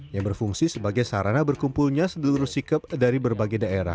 yang berfungsi sebagai sarana berkumpulnya sederhana sikep dari berbagai daerah